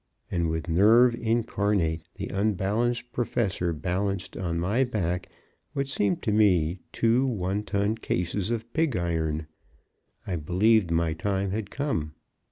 And, with nerve incarnate, the unbalanced Professor balanced on my back what seemed to me two one ton cases of pig iron. I believed my time had come.